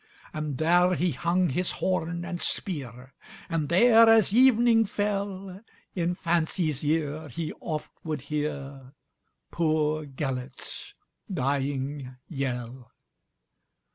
And there he hung his horn and spear, And there, as evening fell, In fancy's ear he oft would hearPoor Gêlert's dying yell.